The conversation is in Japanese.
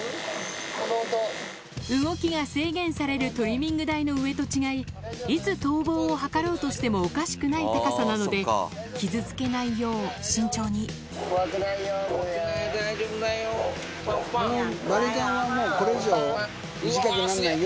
動きが制限されるトリミング台の上と違いいつ逃亡を図ろうとしてもおかしくない高さなので傷つけないよう慎重にうわすげぇ。